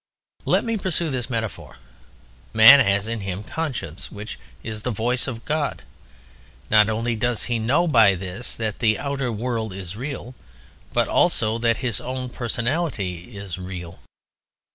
Let me pursue this metaphor. Man has in him conscience, which is the voice of God. Not only does he know by this that the outer world is real, but also that his own personality is real.